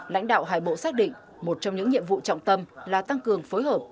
lãnh đạo hai bộ xác định một trong những nhiệm vụ trọng tâm là tăng cường phối hợp